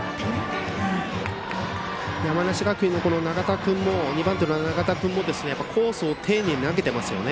山梨学院の２番手の中田君もコースを丁寧に投げてますよね。